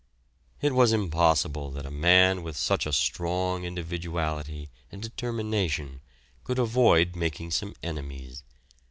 It was impossible that a man with such a strong individuality and determination could avoid making some enemies.